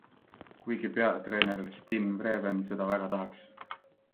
Kuigi peatreener Stijn Vreven seda väga tahaks.